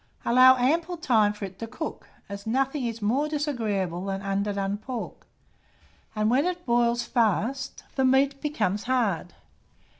Allow ample time for it to cook, as nothing is more disagreeable than underdone pork, and when boiled fast, the meat becomes hard.